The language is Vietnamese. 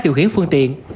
điều khiển phương tiện